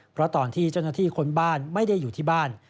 เพราะตอนที่เจ้าหน้าที่ค้นบ้านไม่ได้อยู่ที่บ้าน